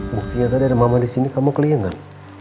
maksudnya tadi ada mama di sini kamu kelihatan kan